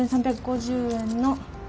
３，３５０円の。